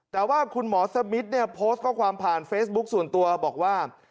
แต่ว่าคุณหมอสมิทเนี่ยโพสต์ข้อความผ่านเฟซบุ๊คส่วนตัวบอกว่า